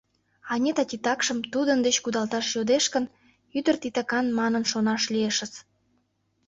Анита титакшым тудын деч кудалташ йодеш гын, ӱдыр титакан манын шонаш лиешыс.